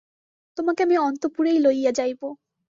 তোমাকে আমি অন্তঃপুরেই লইয়া যাইব।